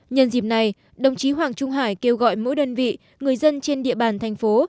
nhân dịp này đồng chí hoàng trung hải kêu gọi mỗi đơn vị người dân trên địa bàn thành phố